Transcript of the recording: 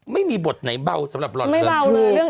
ไม่มีบทไหนเบ้าสำหรับหลอดคืนไม่เบ้าเลย